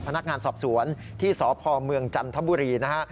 พนักงานสอบสวนที่สพเมืองจันทบุรีนะฮะ